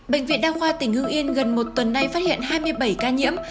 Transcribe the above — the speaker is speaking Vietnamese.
bệnh viện đa khoa tỉnh hưng yên gần một tuần nay phát hiện hai mươi bảy ca nhiễm